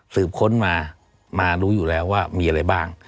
ค้นมามารู้อยู่แล้วว่ามีอะไรบ้าง